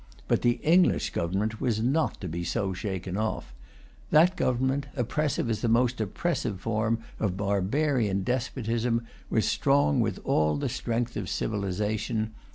But the English government was not to be so shaken off. That government, oppressive as the most oppressive form of barbarian despotism, was strong with all the strength of civilisation.